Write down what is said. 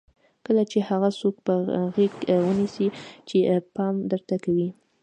کله چې هغه څوک په غېږ ونیسئ چې پام درته کوي.